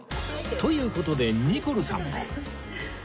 という事でニコルさんも